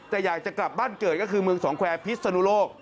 แต่อยากจะกลับบ้านเกิดก็คือเมืองสองแควร์พิศนุโลก